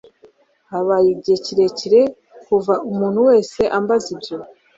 Habaye igihe kirekire kuva umuntu wese ambaza ibyo.